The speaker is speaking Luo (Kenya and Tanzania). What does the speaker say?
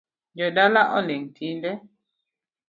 Jodala oling’ tinde